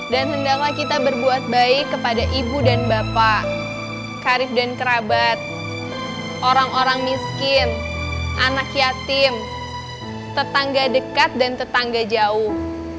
dan hendaklah kita berbuat baik kepada ibu dan bapak karib dan kerabat orang orang miskin anak yatim tetangga dekat dan tetangga jauh